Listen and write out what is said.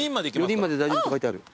４人まで大丈夫って書いてある。